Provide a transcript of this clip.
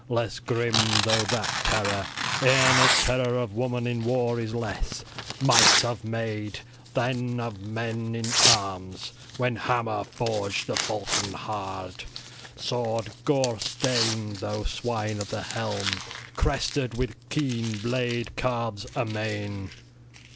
Less grim, though, that terror, e'en as terror of woman in war is less, might of maid, than of men in arms when, hammer forged, the falchion hard, sword gore stained, through swine of the helm, crested, with keen blade carves amain.